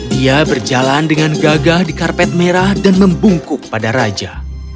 dia berjalan dengan gagah di karpet merah dan membungkuk pada raja